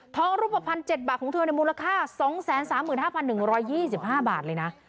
รูปภัณฑ์๗บาทของเธอในมูลค่า๒๓๕๑๒๕บาทเลยนะ